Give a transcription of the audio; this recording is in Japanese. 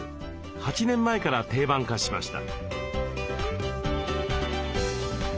８年前から定番化しました。